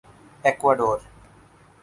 Ecuador